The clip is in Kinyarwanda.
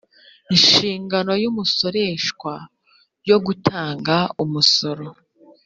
nshingano y umusoreshwa yo gutanga umusoro